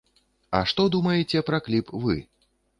А што думаеце пра кліп вы?